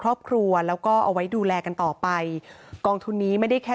ครอบครัวแล้วก็เอาไว้ดูแลกันต่อไปกองทุนนี้ไม่ได้แค่